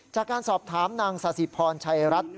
จากการสอบถามนางสาธิพรชัยรัฐ